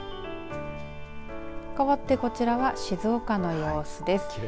かわってこちらは静岡の様子です。